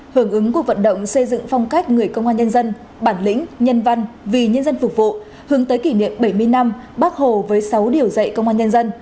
hưởng ứng cuộc vận động xây dựng phong cách người công an nhân dân bản lĩnh nhân văn vì nhân dân phục vụ hướng tới kỷ niệm bảy mươi năm bác hồ với sáu điều dạy công an nhân dân